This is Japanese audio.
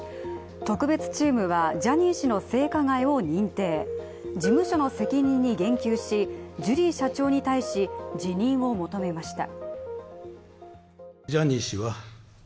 特別チームはジャニー氏の性加害を認定、事務所の責任に言及し、ジュリー社長に対し辞任を求めました。